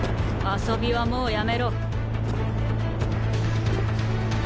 遊びはもうやめろ。